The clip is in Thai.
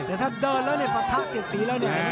แต่ถ้าเดินแล้วเนี่ยปะทะเสียดสีแล้วเนี่ย